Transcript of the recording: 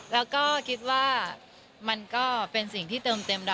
แล้วก็คิดว่ามันก็เป็นสิ่งที่เติมเต็มเรา